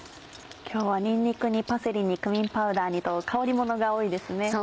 今日はにんにくにパセリにクミンパウダーにと香りものが多いですね。